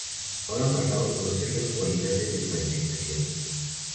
Ahora faltaba conocer las cualidades de panificación.